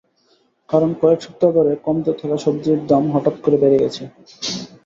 কারণ, কয়েক সপ্তাহ ধরে কমতে থাকা সবজির দাম হঠাৎ করে বেড়ে গেছে।